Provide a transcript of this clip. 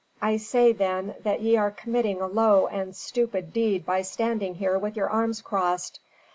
I say, then, that ye are committing a low and stupid deed by standing here with your arms crossed.